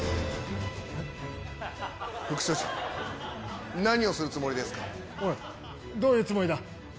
副署長、何をするつもりですおい、どういうつもりだ。